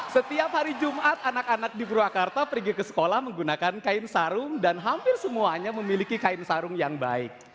setiap hari jumat anak anak di purwakarta pergi ke sekolah menggunakan kain sarung dan hampir semuanya memiliki kain sarung yang baik